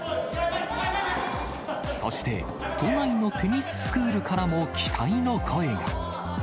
そして、都内のテニススクールからも期待の声が。